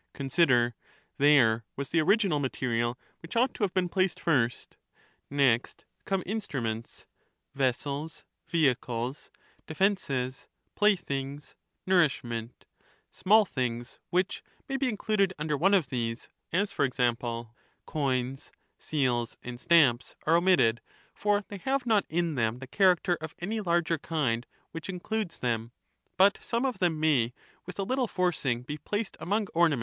Con sider ;— there was the original material, which ought to have been placed first ; next come instruments, vessels, vehicles, defences, playthings, nourishment ; small things, which may be included under one of these— as for example, coins, seals Digitized by VjOOQIC Where are the rivals of the king? 491 and stamps, are omitted, for they have not in them the statesman, character of any larger kind which includes them ; but some strahgef, of them may, with a little forcing, be placed among orna ^^'J^^.